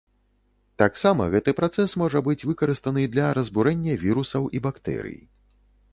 Таксама гэты працэс можа быць выкарыстаны для разбурэння вірусаў і бактэрый.